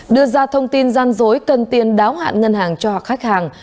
đưa ra thông tin gian dối cần tiền đáo hạn ngân hàng cho khách hàng